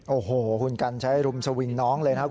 โอ้โหคุณกันใช้รุมสวิงน้องเลยนะครับ